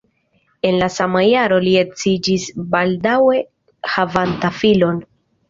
En la sama jaro li edziĝis baldaŭe havanta filon.